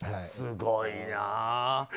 すごいな。